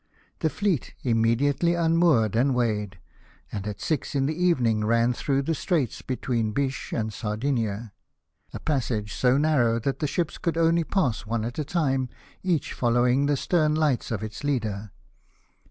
The fleet imme diately unmoored and weighed, and at six in the evening ran through the strait between Biche and Sardinia, a passage so narrow that the ships could only pass one at a tirue, each following the stern lights of its leader.